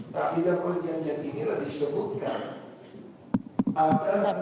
tapi dan perjanjian yang inilah disebutkan